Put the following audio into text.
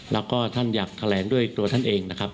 และก็ท่านอยากแผลงตัวท่านเองนะครับ